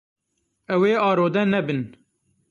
Ew ê arode nebin.